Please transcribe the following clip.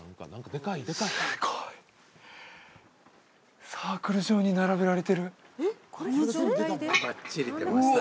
すごいサークル状に並べられてるばっちり出ました